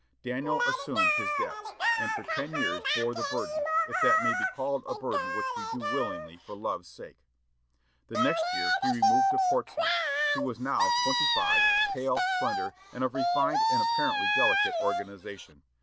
Daniel assumed his debts, and for ten years bore the burden, if that may be called a burden which we do willingly for love's sake. The next year he removed to Portsmouth. He was now twenty five, pale, slender, and of refined and apparently delicate organization.